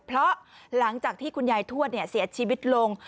เพราะหลังจากที่คุณยายทวดเสียชีวิตลง